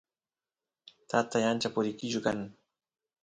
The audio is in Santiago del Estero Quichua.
tatay ancha purilliku kan